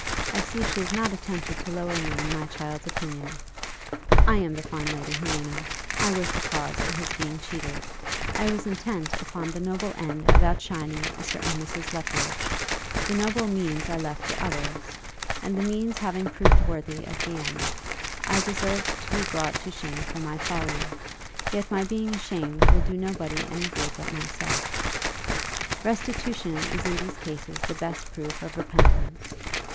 I see she has not attempted to lower me in my child's opinion. I am the fine lady, Helena I was the cause of his being cheated I was intent upon the noble end of outshining a certain Mrs. Luttridge the noble means I left to others, and the means have proved worthy of the end. I deserve to be brought to shame for my folly; yet my being ashamed will do nobody any good but myself. Restitution is in these cases the best proof of repentance.